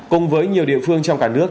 cùng với nhiều địa phương trong cả nước